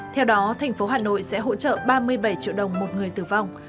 theo đó thành phố hà nội sẽ hỗ trợ ba mươi bảy triệu đồng một người tử vong